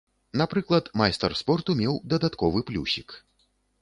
Напрыклад, майстар спорту меў дадатковы плюсік.